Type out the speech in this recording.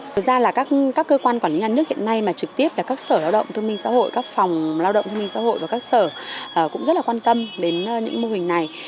thực ra là các cơ quan quản lý nhà nước hiện nay mà trực tiếp là các sở lao động thương minh xã hội các phòng lao động thương minh xã hội và các sở cũng rất là quan tâm đến những mô hình này